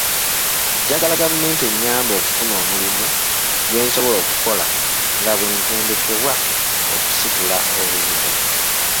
Njagala gavumenti ennyambe okufuna omulimu gwe nsobola okukola nga bwe ntendekebwa okusitula obuzito.